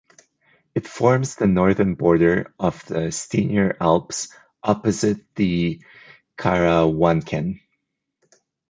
It forms the northern border of the Steiner Alps opposite the Karawanken.